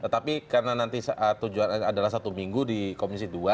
tapi karena nanti tujuan adalah satu minggu di komisi dua